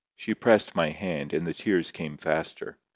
She pressed my hand, and the tears came faster.